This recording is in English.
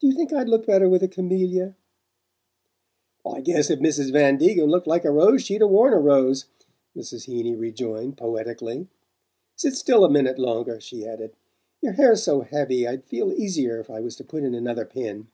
Do you think I'd look better with a camellia?" "I guess if Mrs. Van Degen looked like a rose she'd 'a worn a rose," Mrs. Heeny rejoined poetically. "Sit still a minute longer," she added. "Your hair's so heavy I'd feel easier if I was to put in another pin."